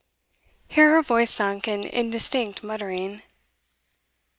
Here her voice sunk in indistinct muttering.